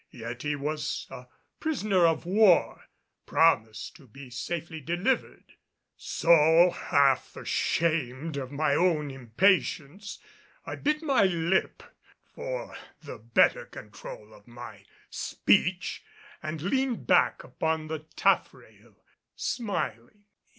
Yet he was a prisoner of war, promised to be safely delivered. So, half ashamed of my own impatience, I bit my lip for the better control of my speech and leaned back upon the taffrail smiling.